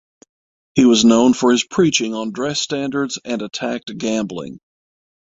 He was known for his preaching on dress standards and attacked gambling.